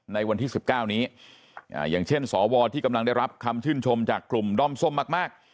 ในวันที่๑๙นี้อย่างเช่นสวที่กำลังได้รับคำชื่นชมจากกลุ่มด้อมส้มมาก